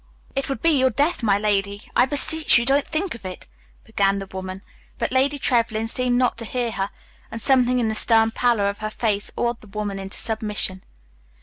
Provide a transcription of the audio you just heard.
"It would be your death, my lady. I beseech you, don't think of it," began the woman; but Lady Trevlyn seemed not to hear her, and something in the stern pallor of her face awed the woman into submission.